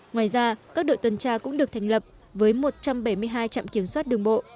ngoài ra các đội tuần tra cũng được thành lập với một trăm bảy mươi hai trạm kiểm soát đường bộ